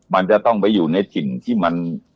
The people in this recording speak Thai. มันจะต้องไปอยู่ในถิ่นที่มัน